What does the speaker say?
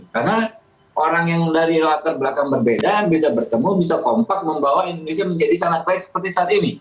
karena orang yang dari latar belakang berbeda bisa bertemu bisa kompak membawa indonesia menjadi sangat baik seperti saat ini